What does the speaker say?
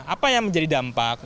apa yang menjadi dampak